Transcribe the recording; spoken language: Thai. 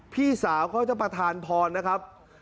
พี่สาวเขาจะประธานพรนะครับ